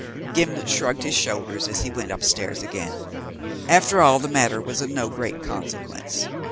Gimblet shrugged his shoulders as he went upstairs again. After all, the matter was of no great consequence.